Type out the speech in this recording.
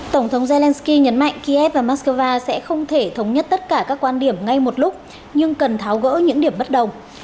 tổng thống zelensky nhấn mạnh kiev và moscow sẽ không thể thống nhất tất cả các quan điểm ngay một lúc nhưng cần tháo gỡ những điểm bất đồng